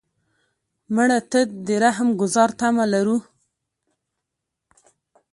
مړه ته د رحم ګذار تمه لرو